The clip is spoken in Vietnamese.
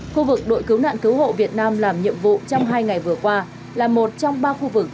khu vực đội cứu nạn cứu hộ việt nam làm nhiệm vụ trong hai ngày vừa qua là một trong ba khu vực